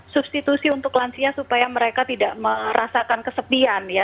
substitusi untuk lansia supaya mereka tidak merasakan kesepian ya